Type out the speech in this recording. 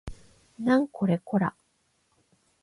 なんこれこら